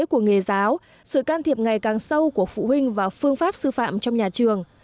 của nghề giáo sự can thiệp ngày càng sâu của phụ huynh và phương pháp sư phạm trong nhà trường